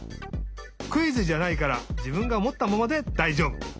クイズじゃないからじぶんがおもったままでだいじょうぶ！